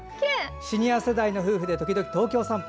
シニア世代の夫婦で時々、東京散歩。